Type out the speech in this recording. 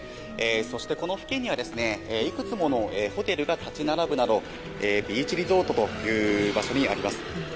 そして、この付近にはいくつものホテルが立ち並ぶなどビーチリゾートという場所にあります。